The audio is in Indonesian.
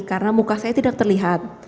karena muka saya tidak terlihat